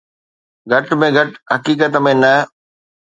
گهٽ ۾ گهٽ حقيقت ۾ نه.